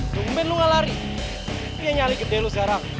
dumbin lu gak lari ini yang nyali gede lu sekarang